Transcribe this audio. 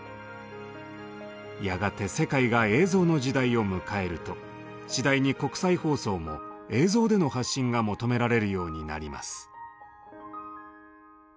やがて世界が映像の時代を迎えると次第に国際放送も映像での発信が求められるようになります。